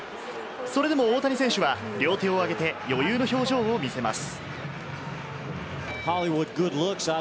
それでも大谷選手は両手を上げて、余裕の表情を見せます。